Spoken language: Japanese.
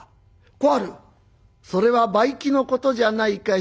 『小春それは梅喜のことじゃないかい？』